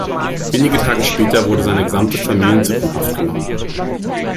Wenige Tage später wurde seine gesamte Familie in Sippenhaft genommen.